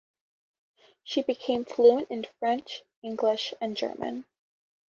She became fluent in French, English, and German.